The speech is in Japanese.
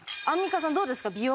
アンミカさんどうですか？